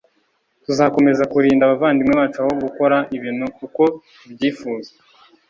tuzakomeza kurinda abavandimwe bacu aho gukora ibintu uko tubyifuza